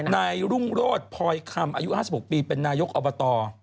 นายรุ่งโรธพลอยคำอายุ๕๖ปีเป็นนายกอบต